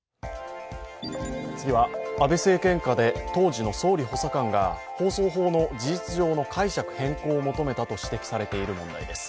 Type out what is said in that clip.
次は安倍政権下で当時の総理補佐官が放送法の事実上の解釈変更を求めたと指摘されている問題です。